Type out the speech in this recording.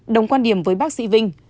đồng quan điểm với bác sĩ vinh